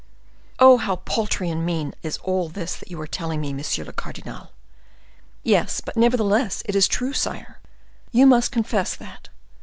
"Oh, how paltry and mean is all this that you are telling me, monsieur le cardinal!" "Yes, but nevertheless it is true, sire; you must confess that.